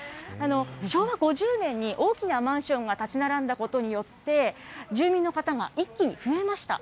昭和５０年に大きなマンションが建ち並んだことによって、住民の方が一気に増えました。